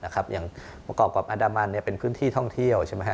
อย่างประกอบกับอันดามันเป็นพื้นที่ท่องเที่ยวใช่ไหมฮ